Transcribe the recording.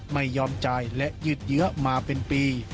ไม่ยอมจ่ายและยืดเยอะมาเป็นปี